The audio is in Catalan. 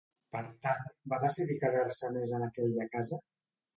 Per tant, va decidir quedar-se més en aquella casa?